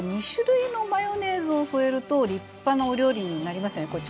２種類のマヨネーズを添えると立派なお料理になりますよね。